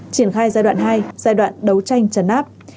triển khai giai đoạn hai giai đoạn đấu tranh chấn áp